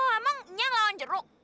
emang nyang lawan jeruk